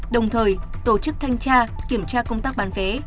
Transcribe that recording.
đồng thời tổ chức thanh tra kiểm tra công tác bán vé